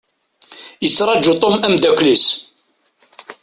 Yettraju Tom ameddakel-is.